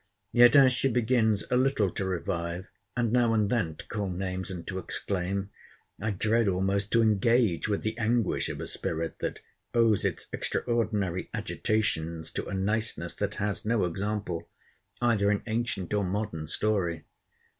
Yet, as she begins a little to revive, and now and then to call names, and to exclaim, I dread almost to engage with the anguish of a spirit that owes its extraordinary agitations to a niceness that has no example either in ancient or modern story.